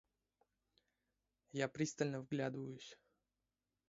Я пристально вглядываюсь.